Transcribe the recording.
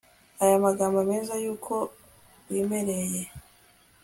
ayo magambo meza y'uwo wiremeye